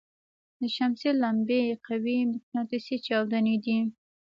د شمسي لمبې قوي مقناطیسي چاودنې دي.